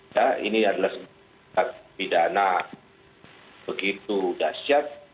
ya ini adalah bidana begitu dasyat